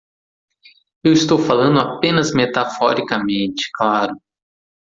Eu estou falando apenas metaforicamente, claro.